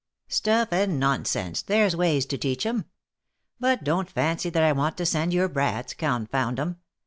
" Stuff and nonsense ! there's ways to teach 'em. But don't fancy that I want you to send your brats — confound 'em